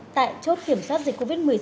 tại chốt kiểm soát dịch covid một mươi chín